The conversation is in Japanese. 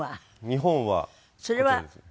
日本はこちらですね。